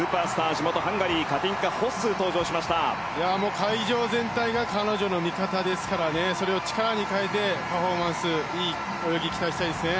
地元ハンガリー会場全体が彼女の味方ですからそれを力に変えてパフォーマンスいい泳ぎを期待したいですね。